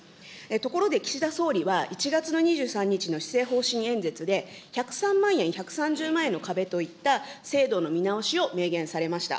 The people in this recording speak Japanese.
ところで岸田総理は、１月の２３日の施政方針演説で、１０３万円、１３０万円の壁といった制度の見直しを明言されました。